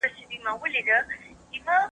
بېلا بېل لاملونه د ناخوښۍ لامل کېږي.